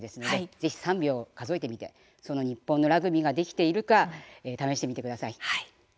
ぜひ３秒数えてみて日本のラグビーができているか試してみてください。